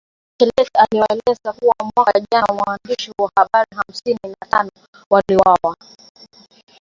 Bachelet alielezea kuwa mwaka jana waandishi wa habari hamsini na tano waliuwawa